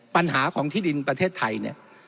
ปัญหาของที่ดินประเทศไทยเนี่ย